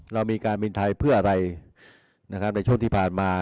เรามีการบินไทยเพื่ออะไรนะครับในช่วงที่ผ่านมา